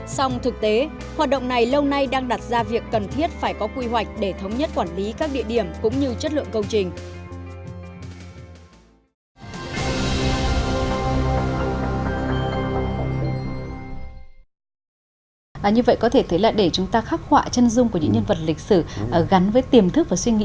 xong thực tế hoạt động này lâu nay đang đặt ra việc cần thiết phải có quy hoạch để thống nhất quản lý các địa điểm cũng như chất lượng công trình